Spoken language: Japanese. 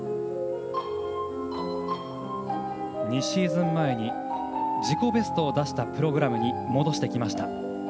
２シーズン前に自己ベストを出したプログラムに戻してきました。